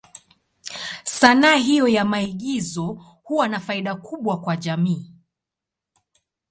Sanaa hiyo ya maigizo huwa na faida kubwa kwa jamii.